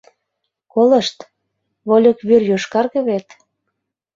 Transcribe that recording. Колышт: вольык вӱр йошкарге вет?